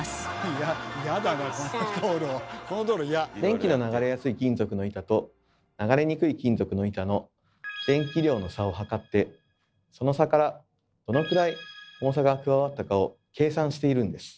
電気が流れやすい金属の板と流れにくい金属の板の電気量の差をはかってその差からどのくらい重さが加わったかを計算しているんです。